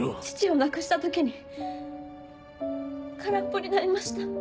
父を亡くした時に空っぽになりました。